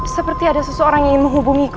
seperti ada seseorang yang ingin menghubungiku